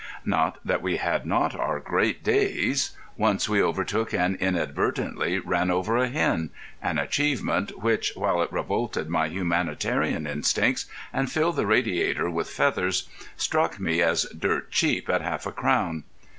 Not that we had not our great days. Once we overtook and inadvertently ran over a hen—an achievement which, while it revolted my humanitarian instincts and filled the radiator with feathers, struck me as dirt cheap at half a crown.